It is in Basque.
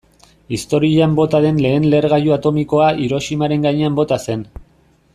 Historian bota den lehen lehergailu atomikoa Hiroshimaren gainean bota zen.